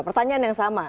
pertanyaan yang sama